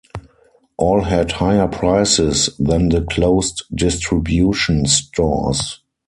All had higher prices than the closed distribution stores.